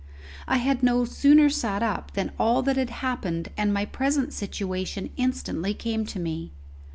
I had no sooner sat up than all that had happened and my present situation instantly came to me.